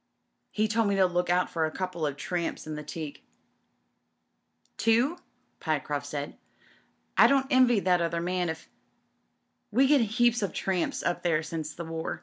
He told me to look out for a couple of tramps in the teak." "Two?'' Pyecroft swd. "I don't envy that other «nan if " "We get heaps of tramps up there since the war.